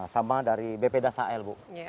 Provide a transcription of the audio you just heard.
sama dari bp dasar l bu